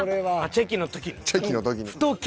チェキの時に。